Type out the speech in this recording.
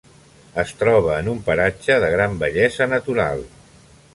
Es troba en un paratge de gran bellesa natural.